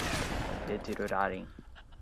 deteriorarem